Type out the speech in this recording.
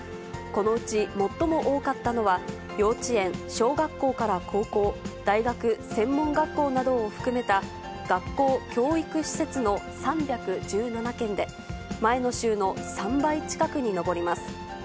このうち最も多かったのは、幼稚園、小学校から高校、大学、専門学校などを含めた、学校・教育施設の３１７件で、前の週の３倍近くに上ります。